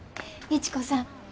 一子さん